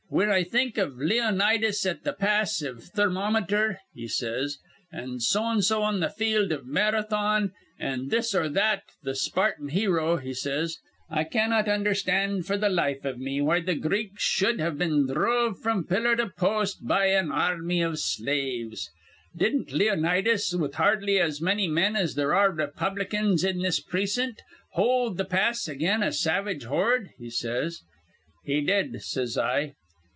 'Whin I think iv Leonidas at th' pass iv Thermometer,' he says, 'an' So an' so on th' field iv Marathon an' This or that th' Spartan hero,' he says, 'I cannot undherstand f'r th' life iv me why th' Greeks shud have been dhruv fr'm pillar to post be an ar rmy iv slaves. Didn't Leonidas, with hardly as manny men as there are Raypublicans in this precint, hold th' pass again a savage horde?' he says. 'He did,' says I.